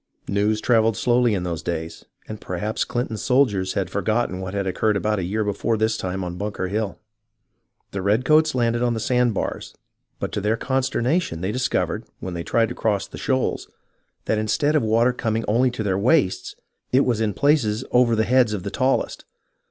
News travelled slowly in those days, and perhaps Clinton's soldiers had forgotten what had occurred about a year before this time on Bunker Hill. The redcoats landed on the sand bars, but to their con sternation they discovered, when they tried to cross the shoals, that instead of the water coming only to their waists, it was in places over the heads of the tallest.